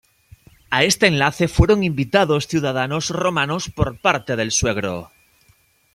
A este enlace fueron invitados ciudadanos romanos por parte del suegro.